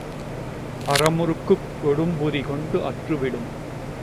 அற முறுக்குக் கொடும்புரி கொண்டு அற்று விடும்.